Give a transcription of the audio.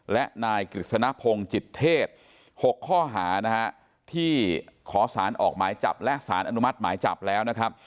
และนายกฤษณพงศ์จิตเทศ๖ข้อหานะฮะที่ขอสารออกหมายจับและสารอนุมัติหมายจับแล้วนะครับ